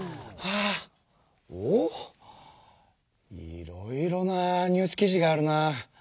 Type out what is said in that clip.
いろいろなニュース記事があるな。